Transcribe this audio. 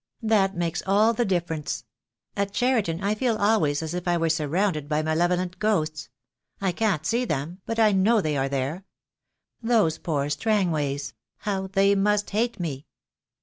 That makes all the difference. At Cheriton I feel always as if I were sur rounded by malevolent ghosts. I can't see them, but I know they are there. Those poor Strangways, how they must hate me."